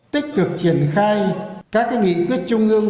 tích cực triển khai các nghị quyết trung ương